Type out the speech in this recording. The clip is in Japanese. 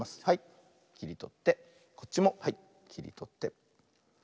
はいきりとってこっちもきりとって。